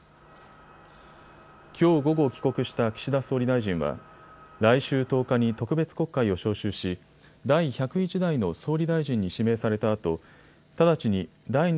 きょう午後、帰国した岸田総理大臣は来週１０日に特別国会を召集し、第１０１代の総理大臣に指名されたあと直ちに第２